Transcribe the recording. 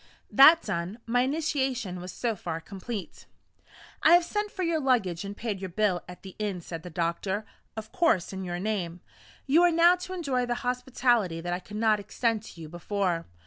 That done, my initiation was so far complete. "I have sent for your luggage, and paid your bill at the inn," said the doctor; "of course in your name. You are now to enjoy the hospitality that I could not extend to you before.